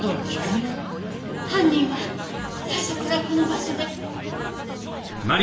犯人は最初からこの場所で。